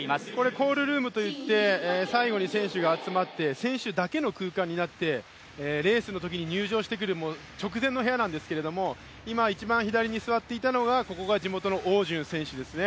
コールルームといって、選手たちが集まって選手たちだけの空間になってレースのときに入場してくる直前の部屋なんですけど、今、一番左に座っていたのが地元の汪順選手ですね。